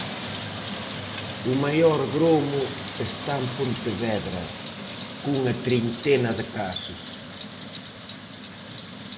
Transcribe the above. O maior gromo está en Pontevedra, cunha trintena de casos.